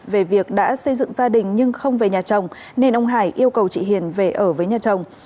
về việc đã xây dựng gia đình nhưng không về nhà chồng nên ông hải yêu cầu chị hiền về ở với nhà chồng